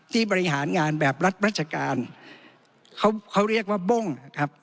บริหารงานแบบรัฐราชการเขาเขาเรียกว่าบ้งนะครับ